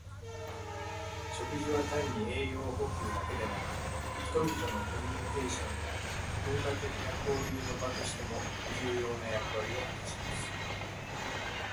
食事は単に栄養補給だけでなく、人々のコミュニケーションや文化的な交流の場としても重要な役割を果たします。